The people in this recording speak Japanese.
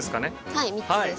はい３つです。